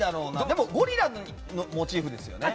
でも、ゴリラがモチーフですよね？